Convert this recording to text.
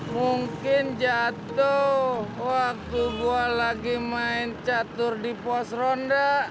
mungkin jatuh waktu gue lagi main catur di pos ronda